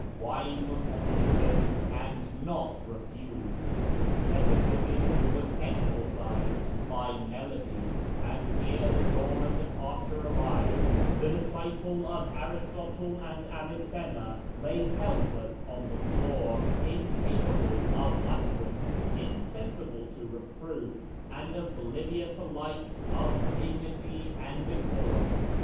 Wine was offered to him and not refused ; metaphysic was exorcised by melody ; and ere the hour of departure arrived, the disciple of Aristotle and Avicenna lay helpless on the floor, incapable of utterance, insensible to reproof, and oblivious alike of dignity and decorum.